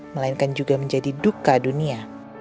melainkan juga menjadi duka dunia